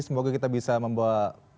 semoga kita bisa membawa